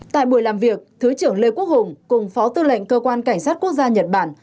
tại buổi làm việc thứ trưởng lê quốc hùng cùng phó tư lệnh cơ quan cảnh sát quốc gia nhật bản